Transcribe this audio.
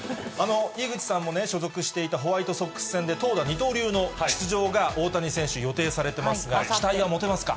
井口さんもね、所属していたホワイトソックス戦で、投打二刀流の出場が、大谷選手、予定されてますが、期待は持てますか？